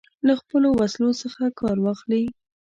له خپلو وسلو څخه کار واخلي.